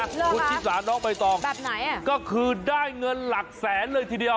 หมู่ติ๊กซาน้อยไปต่อแบบไหนคือได้เงินหลักแสนเลยทีเดียว